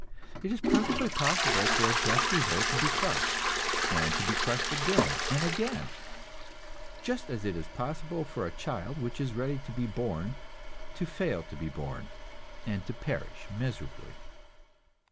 It is perfectly possible for a just revolt to be crushed, and to be crushed again and again; just as it is possible for a child which is ready to be born to fail to be born, and to perish miserably.